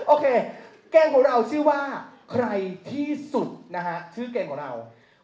โอเคเกมของเราชื่อว่าใครที่สุดนะฮะชื่อเกมของเรา